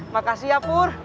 makasih ya pur